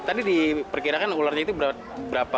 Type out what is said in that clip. tadi diperkirakan ularnya itu berapa